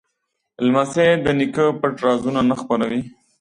لمسی د نیکه پټ رازونه نه خپروي.